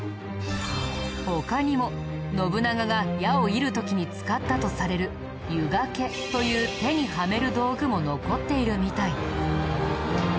他にも信長が矢を射る時に使ったとされる弓懸という手にはめる道具も残っているみたい。